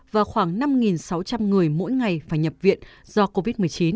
và khoảng năm sáu trăm linh người mỗi ngày phải nhập viện do covid một mươi chín